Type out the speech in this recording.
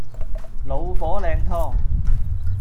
老火靚湯